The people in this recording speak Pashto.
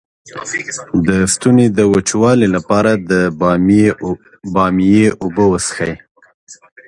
د ستوني د وچوالي لپاره د بامیې اوبه وڅښئ